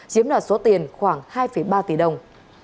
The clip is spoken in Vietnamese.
chiếm đoạt số tiền khoảng hai ba tỷ đồng